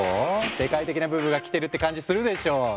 世界的なブームが来てるって感じするでしょ？